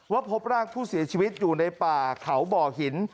พบร่างผู้เสียชีวิตอยู่ในป่าเขาบ่อหิน